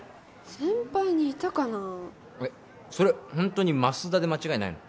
先輩にいたかなあそれホントにマスダで間違いないの？